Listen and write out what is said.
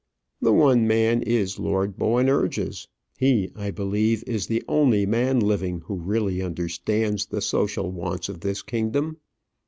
"The one man is Lord Boanerges. He, I believe, is the only man living who really understands the social wants of this kingdom."